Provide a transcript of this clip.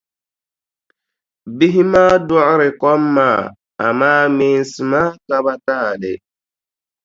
Bihi maa duɣiri kom maa amaa meensi maa ka ba taali.